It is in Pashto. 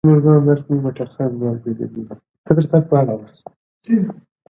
که لرګی وي نو کور نه نړیږي.